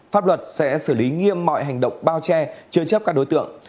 pháp luật sẽ xử lý nghiêm mọi hành động bao che chứa chấp các đối tượng